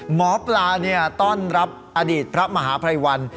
หมอปลาต้อนรับอดีตพระมหาภัยวัน